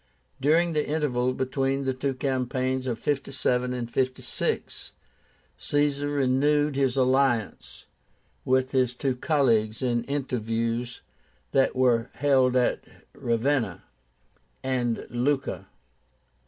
During the interval between the two campaigns of 57 and 56, Caesar renewed his alliance with his two colleagues in interviews that were held at Ravenna and Luca.